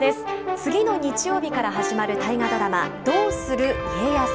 次の日曜日から始まる大河ドラマ、どうする家康。